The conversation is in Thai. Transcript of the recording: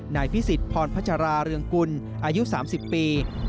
นายพิสิทธิพรพัชราเรืองกุลอายุ๓๐ปี